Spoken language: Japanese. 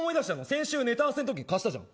先週、ネタ合わせのとき貸したじゃん。